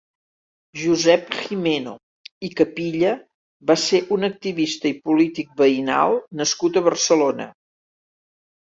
Josep Gimeno i Capilla va ser un activista i polític veïnal nascut a Barcelona.